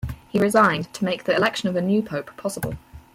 He resigned to make the election of a new pope possible.